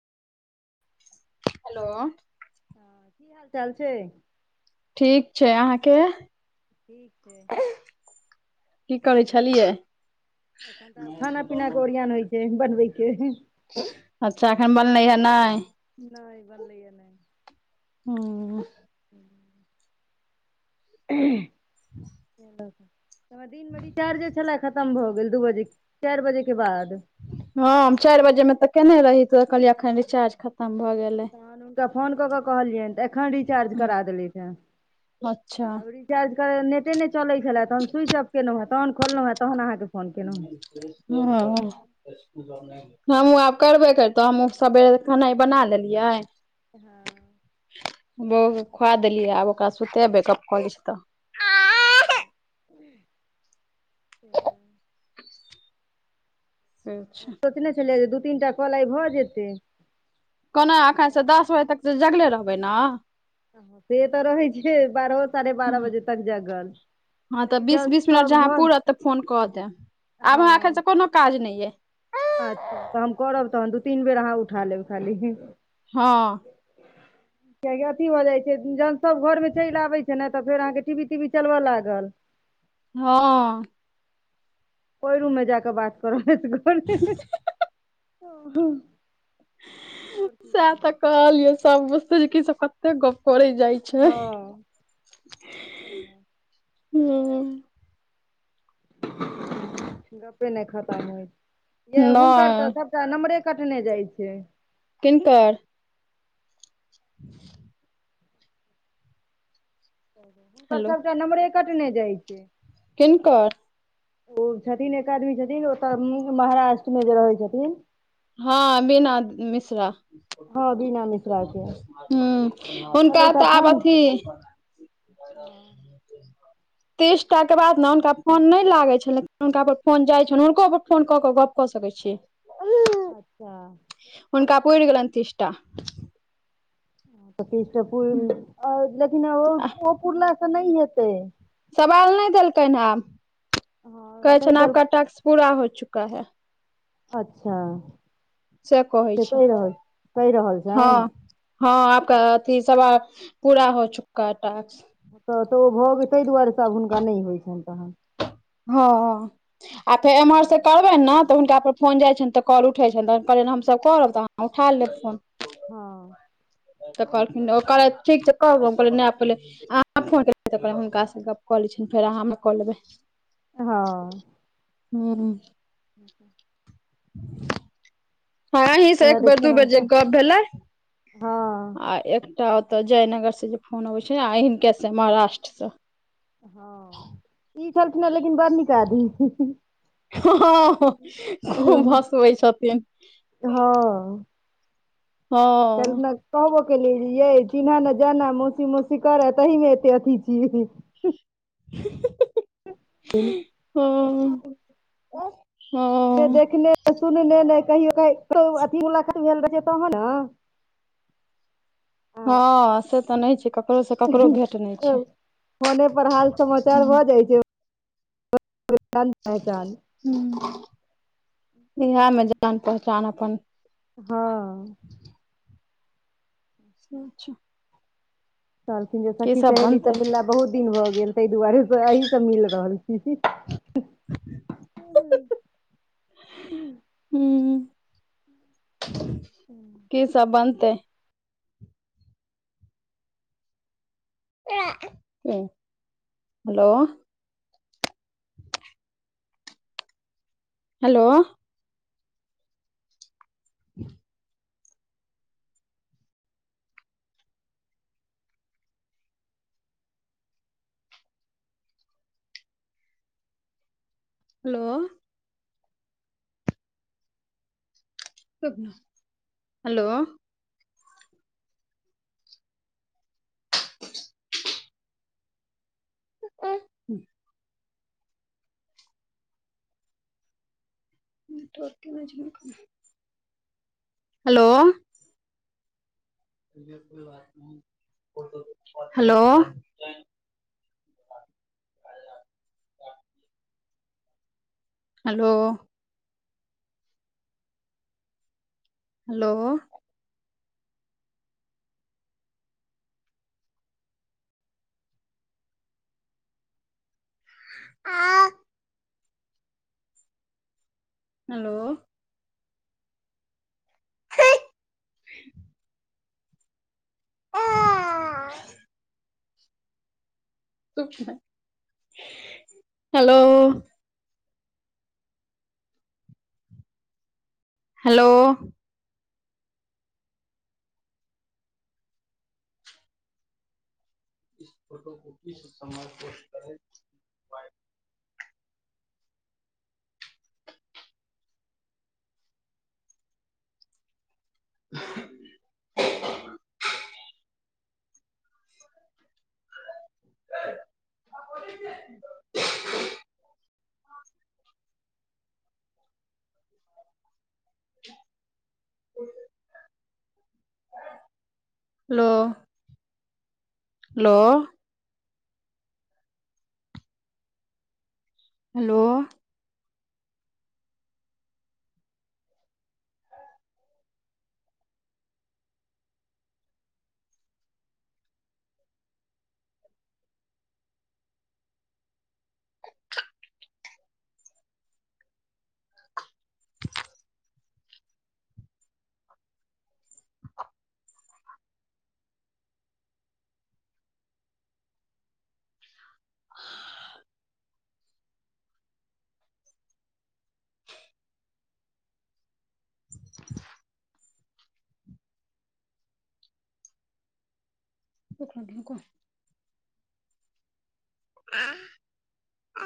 Hello. हँ की हाल चाल छै? ठीक छै। अहाँके? ठीक छै। की करै छलियै एखन तऽ आब खाना पीना के ओरियन होइ छ। एक बार देखे। अच्छा। एखन बनलै हे नय? नहि बनलैया नहि ओ। [inaudible] दिन में रिचार्जे छलय खतम भऽ गेल दू बजे। चैर बजे के बाद। हँ हम चैर बजे में तऽ केने रहि। तहन हुनका फोन कऽ कऽ कहलियेन, तऽ एखन रिचार्ज करा देली। अच्छा। अच्छा। चार्ज कर नेटे नै चलै छले, तहन स्विच ऑफ केलहुँ हे तहन खोलउहे तहन आहा [unintelligible] हमहूँ आब करबे कैरतो, हमहु सबेरे खेनाय बना लेलियै हां बहु खुआ देलियै, आब ओकरा सुतेबै गप क लै छी तऽ। [unintelligible] से छै सोचने छलियै जे दू तीन टा कॉल आय भऽ जेतै। कोना एखन से दस बजे तक जगले रहबै न। से तऽ रहै छै, बारहो साढ़े बारह बजे तक जगल। ह तऽ लेकिन बीस जहन - बीस मिनट सब जहाँ घर पूरत त फोन क देब, आब हमरा अखैन हँ स कोनो काज नै ये। अच्छा। तऽ हम करब तहन दू - तीन बेर अहाँ उठा लेब खाली। हँ। कियेकि अथी भऽ जाइ छै, जहन सब घरमे चैल आबै छै ने त फेर आहाँके टीवी - तीबि चलबऽ लागल। हँ। ओय रू मे जाकऽ बात कर [unintelligible] सेह तऽ कहलियो सब बुझतै जे किसब कते गप करै जाइ। छै हँ। [unintelligible] गप्पे नै खतम होए, यै हुनकर नहि तऽ सब नमरे कटने जाइ छै। किनकर? [inaudible] हुनकर हेलो सबटा नमरे कटने जाइ छै। किनकर? ओ छथिन एक आदमी छथिन, ओतऽ महाराष्ट्र मे जे रहै छथिन। हाँ बीना मिश्रा। हँ बीना मिश्रा के हु, हुनका छलैथ हे तऽ आब फोन अथी [unintelligible] तीसटा के बाद न हुनका फोन नै लागै छलै, हुनका पर फोन जाइ छैन, हुनको पर फोन कऽ क गप कऽ सकै छी। अच्छा! हुनका पुर गेलन तीसटा। [unintelligible] त लेकिन ओ पुरलास से नहि हेतै। सवाल नहि देलकै ह, आब हँ कहे छ नहि ने देल आपका टक्क पूरा हो चुका है। अच्छा! कहै से छै कहि रहल कहि रहल छैन? हँ हँ, आपक अथी सवाल पूरा हो चुकका टास्क। ओ तऽ तऽ ओ भऽ गेल, ताहि दुआरे से आब हुनका नहि होइत छनि तखन। हँ। आ फेर एम्हर से करबे ने तऽ, हुनका पर फोन जाइ छैन त कॉल उठे छैन, तन कहले हम करब तह उठा लेथिन। हँ। तऽ ओ कहलखिन ठीक छै करु, हम कहलिये न पलै अहाँ फोन करबै त, हुनकाँ कऽ लै छियनि, फेर अहाँमे कऽ लेबै। हँ। हू। ठ ह [inaudible] [inaudible] अही से उएह एक बेर देखियौ दू ने बेर हुनका जे गप भेलै, हँ आ एक तअ ओतऽ जयनगर से जे फोन अबे छै, आ हिनके से महाराष्ट्र से। हँ। ई चलठना लेकिन बर न कह दी। [unintelligible] वै सब के। हँ। ह हँ तेलकन। कहबो केलि, ये चिन्ह न जाना, मौसी -मौसी करै, सही मे एते अथी छिय। ह। तन। [inaudible] हू हँ। देखने ने सुनने, ने कहियो क अथीबला मुलाकत भेल रह छै, तहन ने। आ हँ से तऽ नहि छै, ककरोसँ ककरो भेट नहि छै। फोने पर हाल समाचार भऽ जाइ छै, [unintelligible] पहचान ह इहमे जान पहचान अपन। हँ। से छै। कहलखिन जे! सखी सहेली सब सँ मिलना बहुत दिन भऽ गेल, ताहि दुआरे से एही सब मिल रहल छी। [inaudible] हू। हू। की सब बनतै? ह हेलो। हेलो। ह। Hello. Hello. [unintelligible] [unintelligible] [unintelligible] Hello. [unintelligible] Hello. Hello. Hello. [unintelligible] Hello. [unintelligible] [unintelligible] Hello. Hello. [unintelligible] [unintelligible] [unintelligible] [unintelligible] Hello. Hello. Hello. [inaudible] [unintelligible] [unintelligible] [unintelligible] [unintelligible]